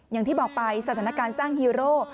อย่างที่บอกไปสถานการณ์สร้างฮีโร่